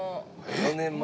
４年前か。